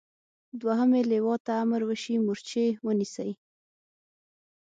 دوهمې لواء ته امر وشي مورچې ونیسي.